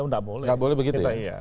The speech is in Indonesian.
tidak boleh begitu ya